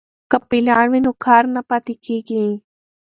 که پلان وي نو کار نه پاتې کیږي.